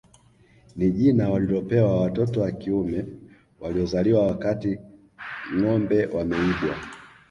Ni jina walilopewa watoto wa kiume waliozaliwa wakati ngombe wameibwa